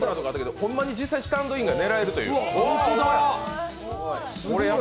ホンマに実際スタンドインが狙えるという。